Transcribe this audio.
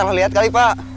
kalian lihat kali pak